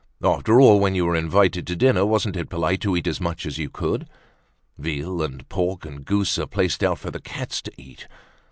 After all, when you were invited to dinner, wasn't it polite to eat as much as you could? Veal and pork and goose are placed out for the cats to eat.